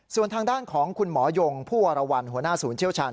ส่วนทางด้านของคุณหมอยงผู้วรวรรณหัวหน้าศูนย์เชี่ยวชาญ